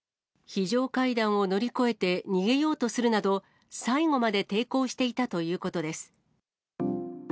非常階段を乗り越えて逃げようとするなど、最後まで抵抗していたということです。